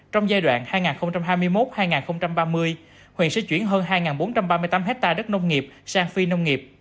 trong giai đoạn hai nghìn hai mươi một hai nghìn ba mươi huyện sẽ chuyển hơn hai bốn trăm ba mươi tám hectare đất nông nghiệp sang phi nông nghiệp